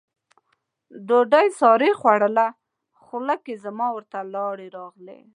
ډوډۍ سارې خوړله، خوله کې زما ورته لاړې راغلې.